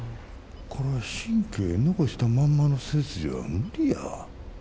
こりゃ神経残したまんまの切除は無理や。